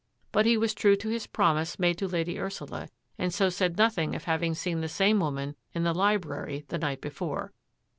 But he was true to his promise made to Lady Ursula, and so said nothing of hav ing seen the same woman in the library the night before.